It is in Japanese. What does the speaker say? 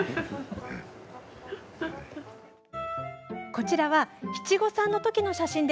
こちらは七五三のときの写真。